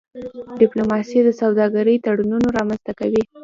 ډيپلوماسي د سوداګری تړونونه رامنځته کوي.